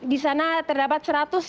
di sana terdapat